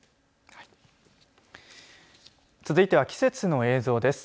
続いては季節の映像です。